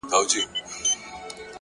په دې وطن كي نستــه بېـــله بنگه ككــرۍ،